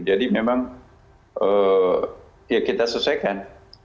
jadi memang ya kita selesaikan